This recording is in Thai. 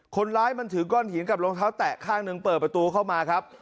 คนร้ายมันถือก้อนหินกับรองเท้าแตะข้างหนึ่งเปิดประตูเข้ามาครับ